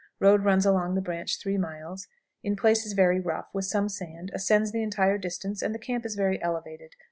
Road runs along the branch 3 miles; in places very rough, with some sand; ascends the entire distance, and the camp is very elevated.